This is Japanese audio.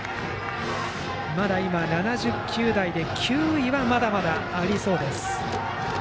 まだ今、７０球台で球威はまだまだありそうです。